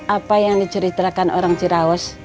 apa yang diceritakan orang jerawas